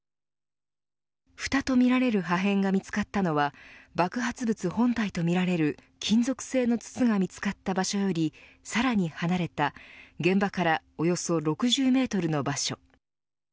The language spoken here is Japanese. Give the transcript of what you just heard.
ふたとみられる破片が見つかったのは爆発物本体とみられる金属製の筒が見つかった場所よりさらに離れた現場からおよそ６０メートルの場所。